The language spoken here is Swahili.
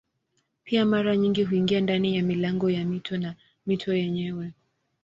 Pia mara nyingi huingia ndani ya milango ya mito na mito yenyewe.